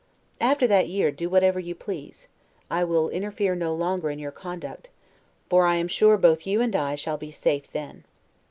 After that year, do whatever you please; I will interfere no longer in your conduct; for I am sure both you and I shall be safe then.